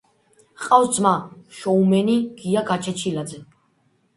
ჰყავს ძმა, შოუმენი გია გაჩეჩილაძე.